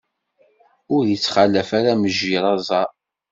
Ur ittxalaf ara mejjir aẓaṛ.